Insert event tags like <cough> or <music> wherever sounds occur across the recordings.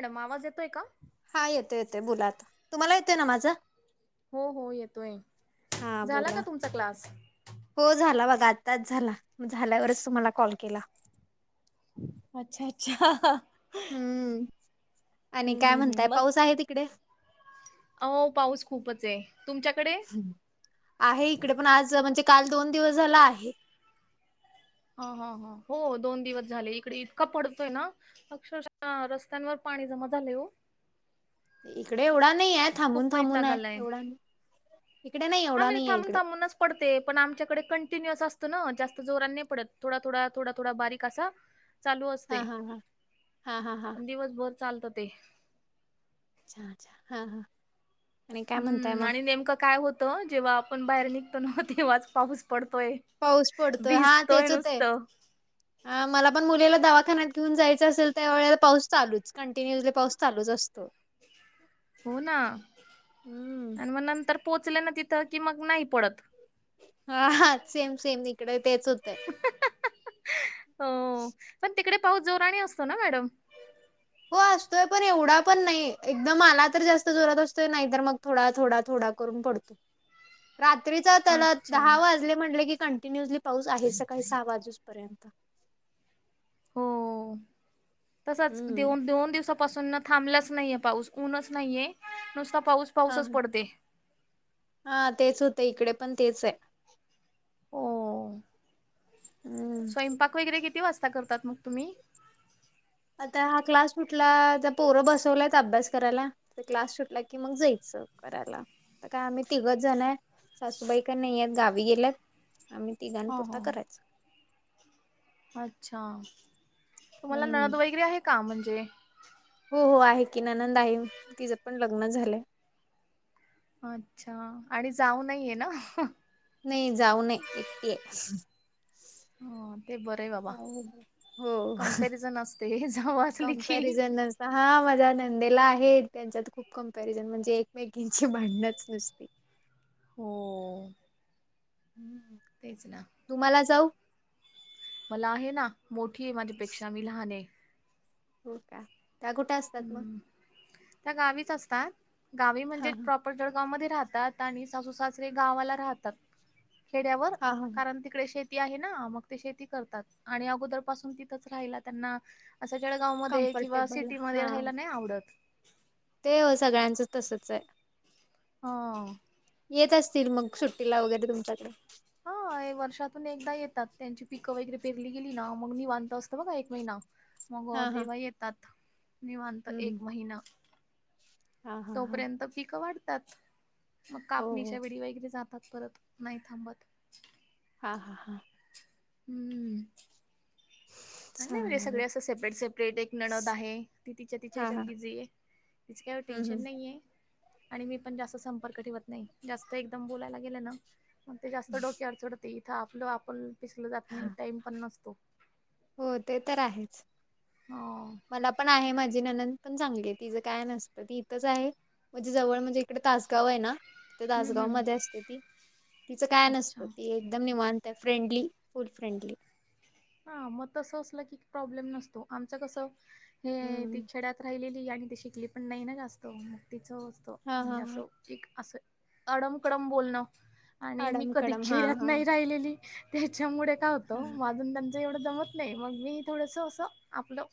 Madam आवाज येतोय का? हा येतोय येतोय बोलाता आता तुम्हाला येतोय न माझं हो हो येतोय. हा झाला का बोला. तुमचा क्लास? हो झाला बघा आत्ताच झाला. म झाल्यावरच तुम्हाला कॉल केला. अच्छा अच्छा हम्म आणि काय हम्म म्हणताय पाऊस आहे तिकडे आओ पाऊस खूपच ये तुमच्याकडे हं आहे इकड पण आज म्हणजे काल दोन दिवस झाला आहे. हा हा हा हो दोन दिवस झाले, इकडे इतकां पडतोय ना अक्षरशः रस्त्यांवर पाणी जमा झालयं ओ इकडे एवढा नाईये थांबून खूप थांबून वैताग आयं आलाय. एवढा नायं इकडे नाई हा एवढा म्हणजे नाइये थांबून इकड थांबूनच पडते पण आमच्याकडे कंटिन्युअस असतं न जास्त जोरांनी नाई पडत थोडा थोडा थोडा थोडा बारीक असा चालू हा असतयं हा हा हा हा हा आणं दिवसभर चालत ते अच्छा अच्छा हा हा आणि काय म्हणताय हम्म मग आणि नेमकं काय होतं जेव्हा आपण बाहेर निघतो ना तेव्हाच पाऊस पडतोय. पाऊस पडतो. हा भिजतोय तेच होतंय. नुसतं. हा मला पण मुलीला दवाखान्यात घेऊन जायचं असेल त्या वेळेला पाऊस चालूच कंटिन्युअसली पाऊस चालूच असतो. हो ना हम्म आणि म नंतर पोचले न तिथं की मग नाही पडत. हा सेम सेम इकडही तेच होतंय. हो पण तिकडे पाऊस जोरानी असतो ना मॅडम हो असतोय पण एवढा पण नाही एकदम आला तर जास्त जोरात असतोय नाहीतर मग थोडा थोडा थोडा करुन पडतोय. रात्रीचं त्याला अच्छा दहा वाजले म्हणटलं की, कन्टिनुअसली पाऊस आहेच सकाळी सहा वाजूसपर्यंत हो तसाच हम्म. देऊन देऊन दिवसापासून ना थांबलाच नाहीये पाऊस ऊनच नाहीये नुसता पाऊस हा पाऊसच हा पडते. हा तेच होतंयं इकडे पण तेच ये. ओ हम्म. स्वयंपाक वगैरे किती वाजता करतात मग तुम्ही आता हा क्लास सुटला त पोरं बसवल्यात अभ्यास करायला. आता क्लास सुटला की मग जयचं करायला. आता काय आम्ही तिघच जण ये, सासूबाई काय नाईयेत गावी गेल्यात आम्ही तिघांनी हा पुरता हा करायचा. अच्छा तुम्हांला हम्म. नणद वगैरे आहे का म्हणजे हो हो आहे की नणंद आहे. तिज पण लग्न झालंय. अच्छा आणि जाऊ नाहीये ना? नई जाऊ नय एकटी ये. हो ते बरंयं बाबा हो कंमपॅरिझन असते जाऊ असली की, कम्पॅरिझन नसता हा माझ्या नंदेला आहे त्यांच्या तर खूप कंपॅरिझन म्हणजे एकमेकीची भांडणच नुसती हो <unintelligible> तेच ना तुम्हांला जाऊ मला आहे ना मोठी आहे माझ्यापेक्षा मी लहान आहे हो का त्या का कुठे असतात मग हम्म त्या गावीच असतात गावी हां म्हणजे हां चप पर जळगाव मध्ये राहतात आणि सासू, सासरे गावाला राहतात खेड्यावर हां हां कारण तिकडे शेती आहे ना ना मग ते शेती करतात आणि अगोदर पासून तिथंच राहिला त्यांना असं जळगाव मध्ये किंवा कम्फर्टेबल सिटीमध्ये हां राहायला नाही आवडत ते ओ सगळ्यांचं तसच आहे ह येत असतील मग सुट्टीला वगैरे तुमच्याकडे ते वर्षातून एकदा येतात त्यांची पिकं वगैरे पेरली गेली ना मग निवांत असतं बघा एक महिना मग हां हां तेव्हा येतात निवांत एक महिना हा तोपर्यंत पीकं वाढतात मग हो हो कापणीच्या वेळी वगैरे जात तात परत नाही थांबत हा, हा हम्म नाही म्हणजे चालेल सगळे असं सेपरेट, सेपरेट एक नणंद आहे ती तिच्या, तिच्या हां हां हेच्यात बिझी आहे तिच काय एवढं हं, टेन्शन हं. नाहीये आणि मी पण जास्त संपर्क ठेवत नाही जास्त एकदम बोलायला गेले ना मग ते जास्त डोक्यावर चढ ते इथं आपलं आपण पिसलं जात हां नाही टाइम पण नसतो हो ते तर आहेच हा मला पण आहे माझी नणंद पण चांगली तिचं काय नसतं ती इथंच आहे म्हणजे जवळ म्हणजे तकडे तासगाव आहे ना ते हम्म तासगाव हम्म. मध्ये असते ती तिचं काय अच्छा नसतं ती एकदम निवांत आहे फ्रेंडली फुल फ्रेंडली हा मग तस असलं की प्रॉब्लेम नसतो आमच कस हे हम्म. ते खेड्यात राहिलेली आणि ती शिकली पण नाही ना जास्त म तिचं असतं हा हा म्हणजे हा असं एक असं अडम, कडम बोलणं आणि मी आडम कधी कडम हा खेड्यात हा नाही राहिलेली त्याच्यामुळे काय हा होतं माझं आणि त्यांचं एवढं जमत नाही मग मी थोडंस असं आपलं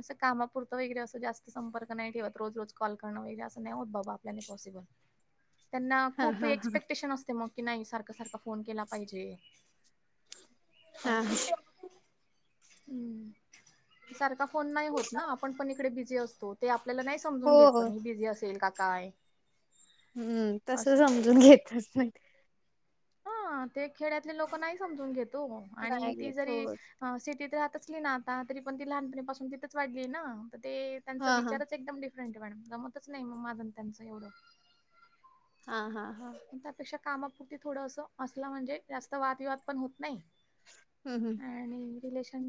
असं कामापुरतं वगैरे असं जास्त संपर्क नाही ठेवत रोज रोज कॉल करणं वगैरे असं नाही होत बाबा आपल्याने पॉसिबल <inaudible> त्यांना हा खूप हा हा एक्सपेक्टेशन असते मग की नाही सारखं, सारखं फोन केला पाहिजे हा, हा हम् सारखा फोन नाही होत ना आपण पण इकडे बिझी असतो ते आपल्याला नाही हो समजून घेत हो. पण बिझी असेल का काय हम्म तस असं समजून घेतच नाही हा ते खेड्यातले लोक नाही समजून घेतो आणि नाही ती घेत जरी हो. हा सिटीत राहतचली ना आता तरी पण ती लहानपणीपासून तिथंच वाढली ना तर ते त्यांचा हा हा विचारच एकदम डिफरंट आहे मॅडम जमतच नाही मग माझ आन त्यांचं एवढं हा हा हा. त्यापेक्षा कामापुरती थोडं असं असलं म्हणजे जास्त वादविवाद पण होत नाही. हम् हम्. आणि रिलेशन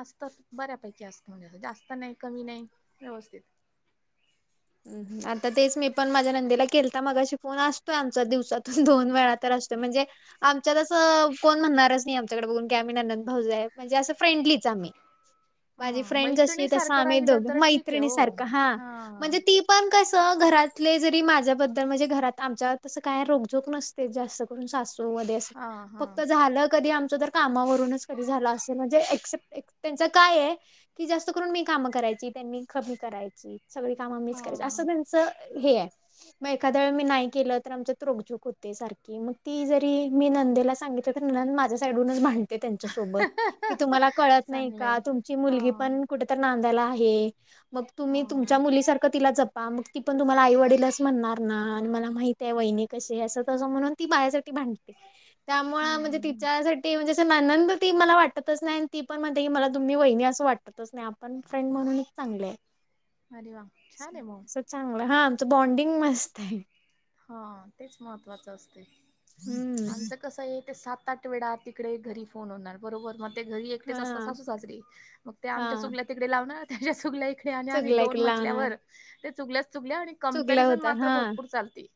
असत बऱ्यापैकी असत. जास्त नाही कमी नाही व्यवस्थित. आता तेच मी पण माझ्या नंदीला केल तर मगाशी फोन असतोय आमचा दिवसातून दोन वेळा तर असतोय म्हणजे आमच्यात असं कोण म्हणणारच नाही आमच्याकडे बघून की आम्ही ननंद भाऊजी आहे म्हणजे असं फ्रेंडलीच आम्ही. माझी हा फ्रेंड जशी मैत्रिणी तस सारखं आम्ही दोघ राहिलं तर ठीक आहे मैत्रिणी हो सारख हा. म्हणजे ती पण कसं घरातले जरी माझ्याबद्दल म्हणजे घरात आमच्या तसं काय रोखजोक नसत. ते जास्त करून सासू मध्ये अस हा हा फक्त झालं कधी आमच त कामावरूनच कधी झाला असेल म्हणजे एसेप त्यांच काय आहे की जास्त करून मी कामं करायची त्यांनी कमी करायची सगळी कामं मीच करायची हा असं हे आहे. मग एखाद वेळ मी नाही केलं तर आमच्या नोकझूक होते सारखी मग ती जरी मी नंदेला सांगित माझ्या साईडनच भांडत्या त्यांच्यासोबत की तुम्हा कडत नाही चांगलंय का तुमची हा मुलगी पण कु नांदाला आहे, मग हा हा तुम्ही हम्म मुलीसारखं तिला जपा मग ती पण तुम्हाला आईवडीलच म्हणणार ना आणि मला माहिती आहे वहिनी कशी असं तसं म्हणून. ती बायासाठी भांडते त्यामुळ म्हणजे हम्म ती हम्म त्यासाठी म्हणजे जसे नानंद ती मला वाटतच नाही आणि ती पण म्हणते की मला तुम्ही वहिनी असं वाटतच नाही आपण. फ्रेड म्हणूनच चांगले. अरे वा. छान आहे मग असं चांगलं, हा आमचं बॉन्डिंग मस्त आहे. हा तेच महत्वाचं असते. हम्म. आमचं कसं आहे ते सात-आठ वेळा तिकडे घरी फोन होणार बरोबर मग ते घरी एकटेच असतात हा. साज रे मग ते आमच्या हा चूगला तिकडे लावणार त्याच्या चूगला हे आणि आम्ही चुगला दोन इकडे लावणार म्हटल्यावर ते चुकल्याच चुकल्या आणि चुगला कंपेरिझन होता मात्र हा भरपूर चालते.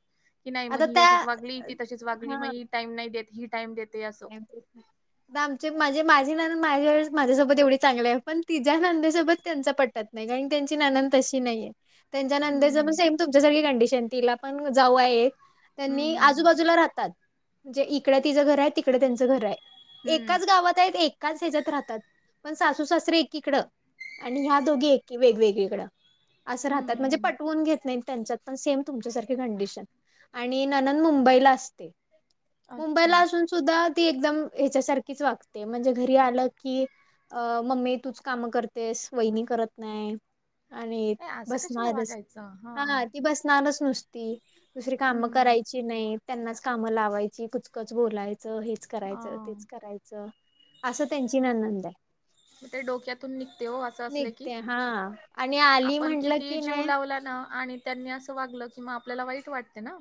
की नाही मग आता ही त्या अशीच वागली, ती तशीच वागली हा मग ही टाईम नाही देते, ही टाईम देते असं. <inaudible> आमचे म्हणजे माझे ना माझ्या माझ्यासोबत एवढी चांगले आहे पण तिझ्या नांदीसोबत त्यांचा पटतात. नाही कारण त्यांची नानंद तशी नाहीये. त्यांच्या हम्म नंदेचा पण हम्म सेम तुमच्यासारखी कंडिशन तिला पण जाऊ आहेत. हम्म त्यांनी हम्म आजूबाजूला राहतात, म्हणजे इकड तिचं घर आहे तिकडे त्यांचं घर आहे. हम्म एकाच गावात आहेत एकाच ह्याच्यात राहतात पण सासू-सासरे एकीकडं. आणि ह्या दोघी एकी वेगवेगळीकडं असं राहतात हम्म म्हणजे हम्म. पटवून घेत नाहीत त्यांच्या पण सेम तुमच्यासारखे कंडिशन आणि ननंद मुंबईला असते. अच्छा मुंबईला असून सुद्धा ती एकदम हच्यासारखीच वागते म्हणजे घरी आलं की अ मम्मी तूच काम करतेस वहिनी करत नाही. आणि ए असं कशाला बसणारच, वागायचं हा ती बसणारच नुसते दुसरी कामं हम्म करायची नाही त्यांनाच काम लावायची कुचकच बोलायची. हेच हा करायचं, तेच करायचं असं त्यांची ननंद आहे. ते डोक्यातून निघते हो असं असले की. निघते हा आणि आली आपण म्हटलं कितीही की जीव नाही लावला आणि त्यांनी असं वागलं की मग आपल्याला वाईट वाटते ना.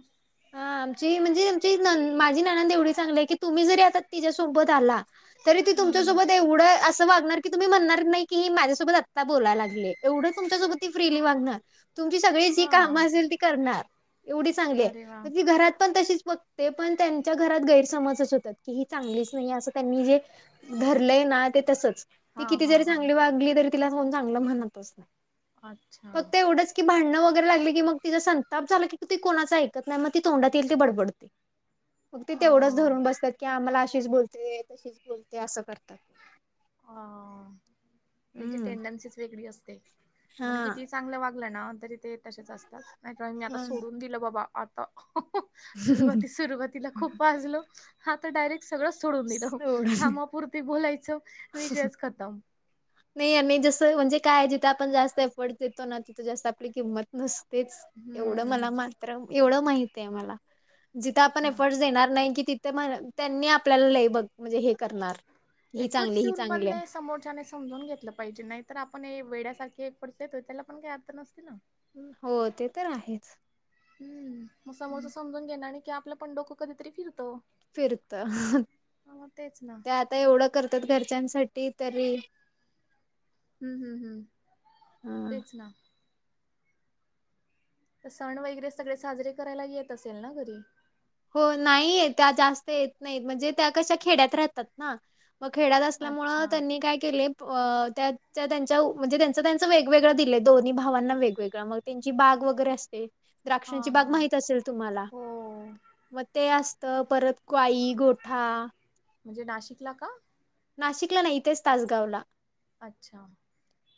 हा आमची म्हणजे आमची माझी ननंद एवढी चांगली आहे की तुम्ही जरी आता तिच्यासोबत आला तरी ती हम्म तुमच्यासोबत एवढं असं वागणार की तुम्ही म्हणणार नाही की माझ्यासोबत आत्ता बोला लागल्या एवढ तुमच्यासोबत ती फ्रीली वागणार. तुमची सगळी जी हा कामं असेल ती करणार एवढी चांगलीये. अरे वा घरात पण तशीच बघते पण त्यांच्या घरात गैरसमजच होतात की ही चांगलीच नाही असं त्यांनी जे धरलंय ना ते तसच. ती हा किती हा जरी हा. चांगली वागली तरी तिला कोण चांगलं म्हणतच नाही. अच्छा फक्त एवढंच की भांडणं वगैरे लागले की मग तिचा संताप झाला की ती कोणाच ऐकत नाही मग ती तोंडात येईल ते बडबडते, मग ती हा तेवढंच धरून बसतात की आम्हाला अशीच बोलते. तशीच बोलते असं करतात. अ, त्यांची टेंडन्सी वेगळी असते. आपण किती हा चांगलं वागलं ना तरी ते तसेच असतात नाही मी आता हा. सोडून दिलं बाबा. सुरुवाती, सुरुवातीला खूप वाजल आता डायरेक्ट सगळं सोडून दिलं सोड कामापुरती बोलायचं विषयच खतम. नाही आणि जसं म्हणजे काय जिथं आपण जास्त एफर्ट देतो ना तिथं जास्त आपली किंमत नसतेच. एवढं हम्म मला मात्र एवढं माहित आहे मला. जिथं तेच आपण ना. एफर्ट्स देणार नाही कि तिथे त्यांनी आपल्याला लय बघणार म्हणजे हे करणार. ही एफेर्ट्स चांगली ही देऊन पण चांगली आहे नाही समोरच्यानेचं समजून घेतलं पाहिजे नाहीतर आपण वेड्यासारखे एफेर्ट्स देतोय त्याला पण काय अर्थ नसतील ना. हो ते तर आहेच. हम् म समोर समजून घेणार नाही की आपलं पण डोकं कधीतरी फिरतो. फिरत, मग तेच ना ते आता एवढं करतात घरच्यांसाठी तरी हम्म हम्म हम्, हा. तेच ना. सण वगैरे सगळे साजरे करायला येत असेल ना घरी? हो नाहीय त्या जास्त येत नाहीत म्हणजे त्या कशा खेड्यात राहतात ना. मग खेड्यात असल्यामूळ अच्छा त्यांनी काय केले. अ त्या-त्यांच्या म्हणजे त्यांच-त्यांचं वेगवेगळं दिले दोन्ही भावांना वेगवेगळं मग त्यांची बाग वगैरे असते हा द्राक्षांची हा. बाग माहित असेल तुम्हाला. हो मग ते असत परत गाई, गोठा. म्हणजे नाशिकला का? नाशिकला नाही इथंच तासगावला. अच्छा!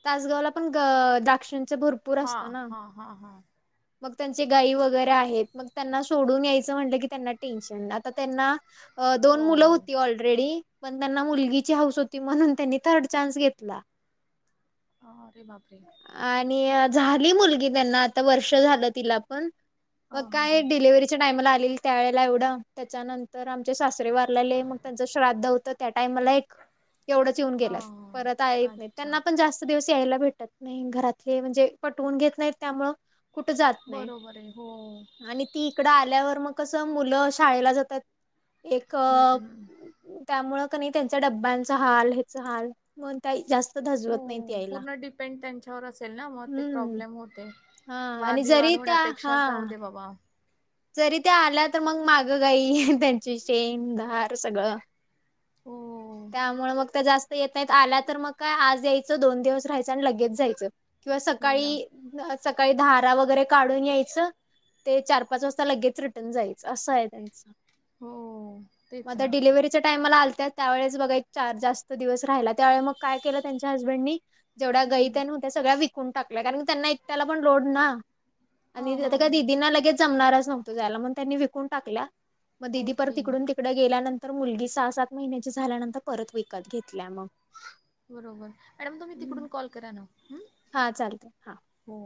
तासगावला पण द्राक्षांच भरपूर हा असत ना. हा हा हा मग त्यांचे गायी वगैरे आहेत मग त्यांना सोडून यायचं म्हटलं की त्यांना टेन्शन, आता त्यांना अ हो दोन मुलं होती ऑलरेडी पण त्यांना मुलगीची हाऊस होती म्हणून त्यांनी थर्ड चान्स घेतला. हा अरे बापरे! आणि झाली मुलगी त्यांना आता वर्ष झालं तिला पण. हा मग हा काय हा डिलिव्हरीच्या टाइमाला आलेली त्यावेेळेला एवढं त्याच्यानंतर तर आमचे सासरे वारलेले मग त्यांचं श्राद्ध होतं त्या टाइमाला एक एवढंच येऊन गेल्यात परत येत हा नाहीत, अच्छा त्यांना जास्त दिवस यायला भेटत नाही घरातले म्हणजे पटवून घेत नाहीत त्यामूळ कुठं जात नाही. बरोबर आहे हो. <inaudible> आणि ती इकडं आल्यावर मग कसं मुलं शाळेला जातात एक त्यामुळे क नई त्यांच्या डब्यांचा हाल, हेच हाल म त्या जास्त हो धजवत नाहीत यायला पूर्ण डिपेंड त्यांच्यावर असेल ना मग ते हम्म प्रॉब्लेम होते. हा आणि जरी वादविवाद त्या होण्यापेक्षा हा जाऊ दे बाबा. जरी त्या आल्या तर मग मागं गाई त्यांची शेण, धार सगळं. हो, <inaudible> त्यामुळे मग त्या जास्त- येतात आला तर मग काय आज यायचं दोन दिवस राहायचं आणि लगेच जायचं किंवा हो ना. सकाळी- सकाळी धारा वगैरे काढून यायचं, ते चार पाच वाजता लगेच रिटर्न जायचं असं आहे त्याचं. हो, तेच मग ना. डिलिव्हरीच्या टाइमला आलत त्यावेळेस बघा एक चार जास्त दिवस राहिला त्यावेळी मग काय केलं त्यांच्या हसबंड नी जेवढ्या गाई हं. त्या सगळ्या विकून टाकल्या कारण त्यांना एकट्याला पण लोड ना आणि हां, हां, हां. दिदीना लगेच जमणारच नव्हतं जायला म्हणून त्यांनी विकून टाकल्या मग दीदी परत ओके. इकडून तिकड तिकडे गेल्यानंतर मुलगी सहा-सात महिन्याची झाल्यानंतर परत विकत घेतल्या मग. बरोबर. मॅडम तुम्ही तिकडून <inaudible> कॉल करा ना, हम्. हा चालत, हा. हो.